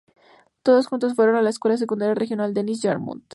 Todos juntos fueron a la Escuela Secundaria Regional Dennis-Yarmouth.